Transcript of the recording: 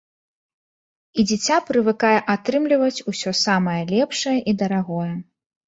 І дзіця прывыкае атрымліваць усё самае лепшае і дарагое.